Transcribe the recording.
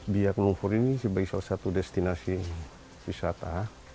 biak lumpur ini sebagai salah satu destinasi wisata